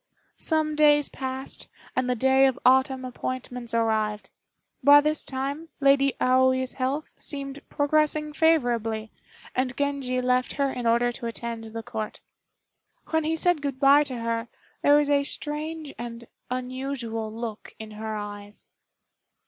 Some days passed, and the day of autumn appointments arrived. By this time, Lady Aoi's health seemed progressing favorably, and Genji left her in order to attend the Court. When he said good by to her, there was a strange and unusual look in her eyes.